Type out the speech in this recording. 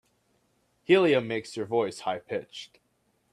Helium makes your voice high pitched.